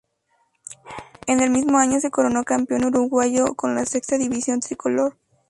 En el mismo año se coronó campeón uruguayo con la sexta división tricolor.